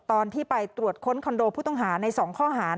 ตอนที่ไปตรวจค้นคอนโดผู้ต้องหาใน๒ข้อหาร